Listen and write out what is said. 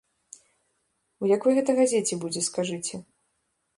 У якой гэта газеце будзе, скажыце?